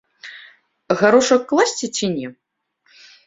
Гарошак класці ці не?